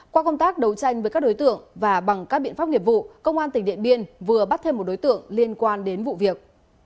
qua công tác đấu tranh với các đối tượng và bằng các biện pháp nghiệp vụ công an tỉnh điện biên vừa bắt thêm một đối tượng liên quan đến vụ việc